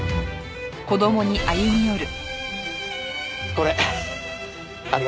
これありがとう。